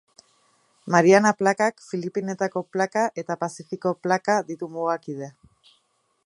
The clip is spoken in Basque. Mariana Plakak, Filipinetako Plaka eta Pazifiko Plaka ditu mugakide.